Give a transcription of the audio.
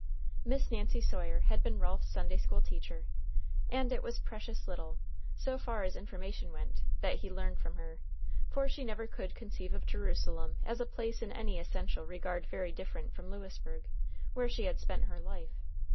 Miss Nancy Sawyer had been Ralph's Sunday school teacher, and it was precious little, so far as information went, that he learned from her; for she never could conceive of Jerusalem as a place in any essential regard very different from Lewisburg, where she had spent her life.